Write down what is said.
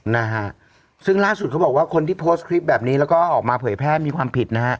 นะฮะซึ่งล่าสุดเขาบอกว่าคนที่โพสต์คลิปแบบนี้แล้วก็ออกมาเผยแพร่มีความผิดนะฮะ